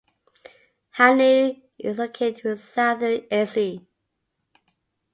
Hanau is located in southern Hesse.